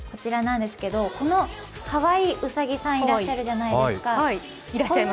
このかわいいうさぎさんいらっしゃるじゃないですか。